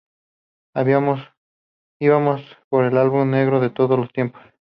Íbamos por el álbum negro de todos los tiempos.".